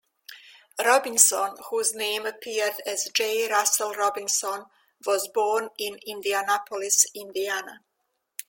Robinson, whose name appeared as "J. Russel Robinson", was born in Indianapolis, Indiana.